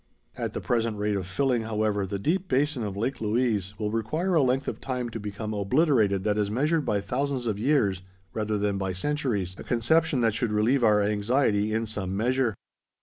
At the present rate of filling, however, the deep basin of Lake Louise will require a length of time to become obliterated that is measured by thousands of years rather than by centuries,—a conception that should relieve our anxiety in some measure.